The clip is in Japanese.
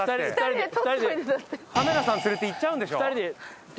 カメラさん連れて行っちゃうんでしょ。